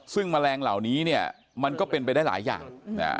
ซึ่งแมลงเหล่านี้เนี่ยมันก็เป็นไปได้หลายอย่าง